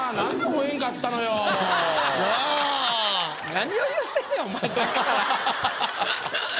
何を言うてんねんお前さっきから。